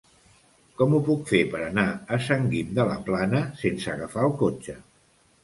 Com ho puc fer per anar a Sant Guim de la Plana sense agafar el cotxe?